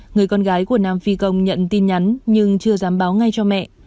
người con gái của nam phi công nhận tin nhắn nhưng chưa dám báo ngay cho mẹ